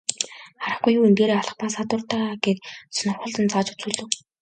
Харахгүй юу, энэ дээрээ алх бас хадууртай гээд сонирхуулан зааж үзүүлэв.